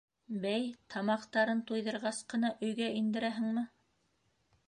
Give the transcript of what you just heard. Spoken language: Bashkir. Бәй, тамаҡтарын туйҙырғас ҡына өйгә индерәһеңме